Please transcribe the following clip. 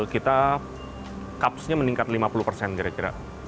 kita caps nya meningkat lima puluh kira kira